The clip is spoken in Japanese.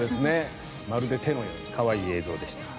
まるで手のように可愛い映像でした。